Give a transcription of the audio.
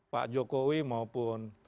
pak jokowi maupun